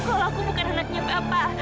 kalau aku bukan anaknya bapak